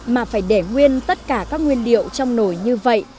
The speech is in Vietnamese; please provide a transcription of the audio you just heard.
mà phải để nguyên tất cả các nguyên liệu trong nổi như vậy